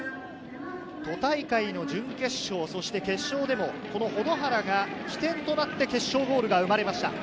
都大会の準決勝、そして決勝でもこの保土原が起点となって、決勝ゴールが生まれました。